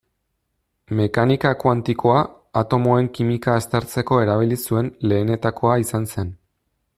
Mekanika kuantikoa atomoen kimika aztertzeko erabili zuen lehenetakoa izan zen.